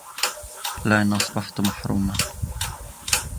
لئن أصبحت محروما